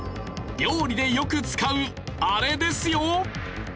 料理でよく使うあれですよ！